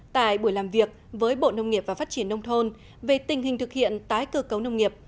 tại buổi làm việc với bộ nông nghiệp và phát triển nông thôn về tình hình thực hiện tái cơ cấu nông nghiệp